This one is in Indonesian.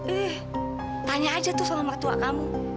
eh tanya aja tuh sama mertua kamu